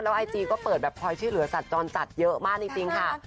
ไอจีก็เปิดแบบคอยช่วยเหลือสัตว์จรจัดเยอะมากจริงค่ะ